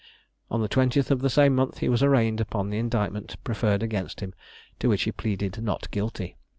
On the 20th of the same month he was arraigned upon the indictment preferred against him, to which he pleaded not guilty.